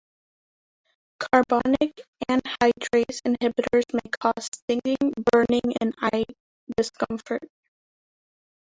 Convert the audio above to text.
Carbonic anhydrase inhibitors may cause stinging, burning, and eye discomfort.